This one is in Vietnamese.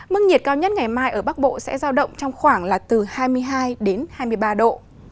mức nhiệt cao nhất ngày mai ở bắc bộ sẽ giao động trong khoảng là từ hai mươi hai đến hai mươi ba độ